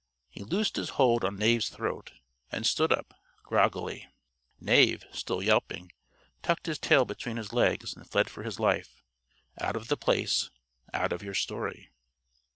He loosed his hold on Knave's throat, and stood up, groggily. Knave, still yelping, tucked his tail between his legs and fled for his life out of The Place, out of your story.